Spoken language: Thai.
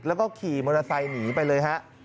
แล้วก็ขี่มอเตอร์ไซค์หนีไปเลยฮะ